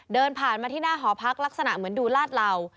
เดินผ่านมาที่หน้าหอพักลักษณะเหมือนดูลาดเหล่า